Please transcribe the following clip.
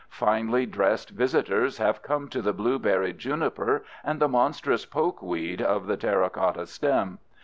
Finely dressed visitors have come to the blue berried juniper and the monstrous pokeweed of the terra cotta stem.